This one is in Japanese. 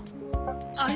あれ？